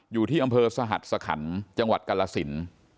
อยู่ที่อำเภอสหัสสคันจังหวัดกรสิน